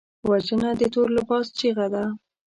وژنه د تور لباس چیغه ده